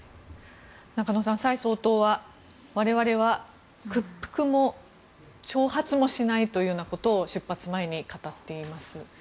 中野さん、蔡総統は我々は屈服も挑発もしないということを出発前に語っています。